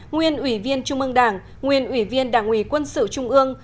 nguyên ủy viên trung ương đảng nguyên ủy viên đảng ủy quân sự trung ương